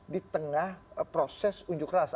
di tengah proses unjuk rasa